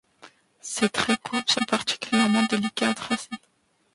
Ses traits courbes sont particulièrement délicats à tracer.